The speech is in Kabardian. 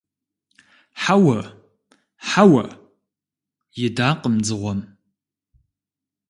– Хьэуэ, хьэуэ! – идакъым дзыгъуэм.